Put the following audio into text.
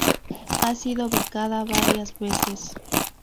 Ha sido becada varias veces.